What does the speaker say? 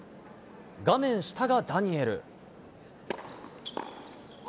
画面下がダニエル。